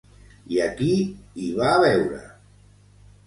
I a qui hi va veure?